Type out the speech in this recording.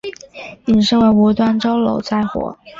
引申为无端招惹灾祸。